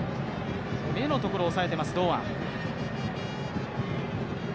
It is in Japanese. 目のところをおさえています堂安。